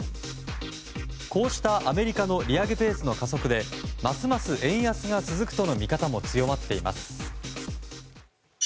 こうしたアメリカの利上げペースの加速でますます円安が続くとの見方も強まっています。